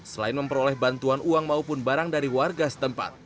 selain memperoleh bantuan uang maupun barang dari warga setempat